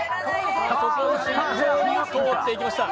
ここは慎重に通っていきました。